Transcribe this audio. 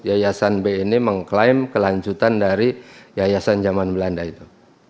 yayasan bni mengklaim kelanjutan dari yayasan zaman belanda itu